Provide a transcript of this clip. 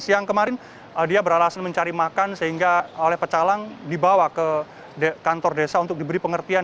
siang kemarin dia beralasan mencari makan sehingga oleh pecalang dibawa ke kantor desa untuk diberi pengertian